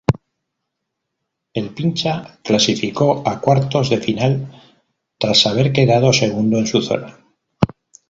El Pincha clasificó a Cuartos de Final tras haber quedado segundo en su zona.